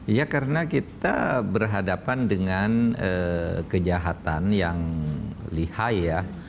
iya karena kita berhadapan dengan kejahatan yang lihai ya